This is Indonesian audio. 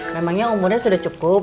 memangnya umurnya sudah cukup